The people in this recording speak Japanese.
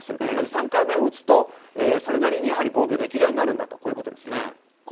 つまり３回目を打つとそれなりに防御できるようになるんだということですね。